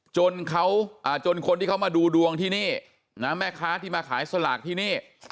จนเขาจนคนที่เขามาดูดวงที่นี่นะแม่ค้าที่มาขายสลากที่นี่